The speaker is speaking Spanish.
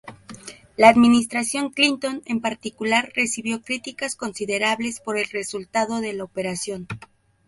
La administración Clinton, en particular, recibió críticas considerables por el resultado de la operación.